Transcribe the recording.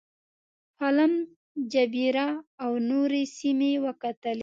پالم جبیره او نورې سیمې وکتلې.